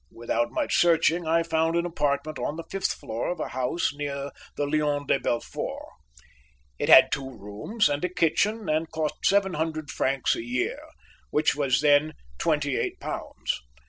Without much searching, I found an apartment on the fifth floor of a house near the Lion de Belfort. It had two rooms and a kitchen, and cost seven hundred francs a year, which was then twenty eight pounds.